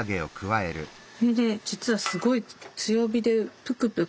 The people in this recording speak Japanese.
それで実はすごい強火でぷくぷく。